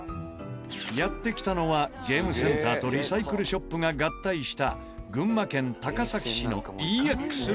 やって来たのはゲームセンターとリサイクルショップが合体した群馬県高崎市のＥＸビル。